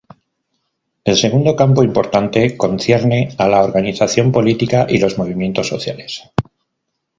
El segundo campo importante concierne a la organización política y los movimientos sociales.